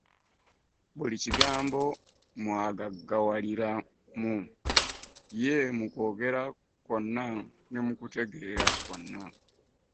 Buli kigambo mwagaggawalira mu ye, mu kwogera kwonna ne mu kutegeera kwonna.